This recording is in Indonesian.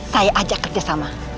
saya ajak kerjasama